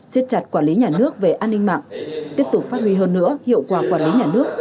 xiết chặt quản lý nhà nước về an ninh mạng tiếp tục phát huy hơn nữa hiệu quả quản lý nhà nước